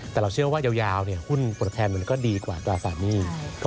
แต่เราเชื่อว่ายาวหุ้นตัวแทนมันก็ดีกว่าตราสารหนี้